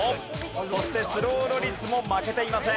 そしてスローロリスも負けていません。